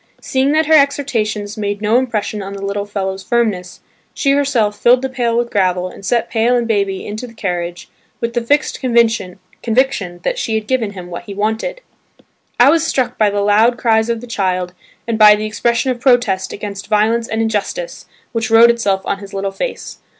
Seeing that her exhortations made no impression on the little fellow's firmness, she herself filled the pail with gravel and set pail and baby into the carriage with the fixed conviction that she had given him what he wanted. I was struck by the loud cries of the child and by the expression of protest against violence and injustice which wrote itself on his little face.